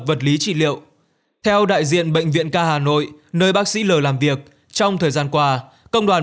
vật lý trị liệu theo đại diện bệnh viện ca hà nội nơi bác sĩ l làm việc trong thời gian qua công đoàn